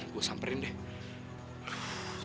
gua samperin deh